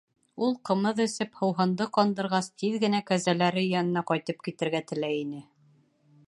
Ул, ҡымыҙ эсеп, һыуһынды ҡандырғас, тиҙ генә кәзәләре янына ҡайтып китергә теләй ине.